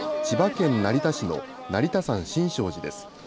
千葉県成田市の成田山新勝寺です。